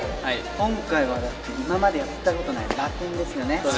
今回は、今までやったことがないラテンですよね。